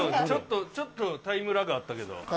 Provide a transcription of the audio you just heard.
ちょっとちょっとタイムラグあったけど。